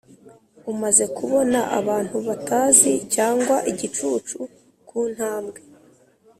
umaze kubona abantu batazi cyangwa igicucu kuntambwe;